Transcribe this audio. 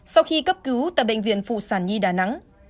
sau khi cấp cứu tại bệnh viện phụ sản nhi đà nẵng